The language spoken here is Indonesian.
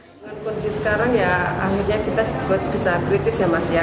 dengan kondisi sekarang ya akhirnya kita bisa kritis ya mas ya